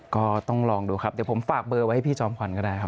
ก็ต้องลองดูครับเดี๋ยวผมฝากเบอร์ไว้ให้พี่จอมขวัญก็ได้ครับ